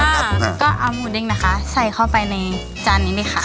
ค่ะก็เอาหมูเด้งนะคะใส่เข้าไปในจานนี้เลยค่ะ